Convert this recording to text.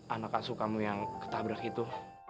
anak asuh kamu yang ketabrak itu